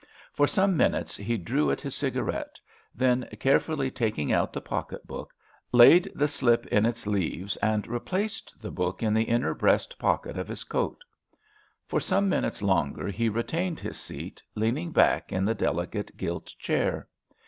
For some minutes he drew at his cigarette, then, carefully taking out the pocket book, laid the slip in its leaves, and replaced the book in the inner breast pocket of his coat. For some minutes longer he retained his seat, leaning back in the delicate gilt chair.